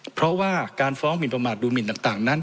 เพราะว่าการฟ้องหมินประมาทดูหมินต่างนั้น